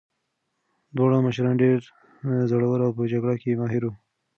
دواړه مشران ډېر زړور او په جګړه کې ماهر وو.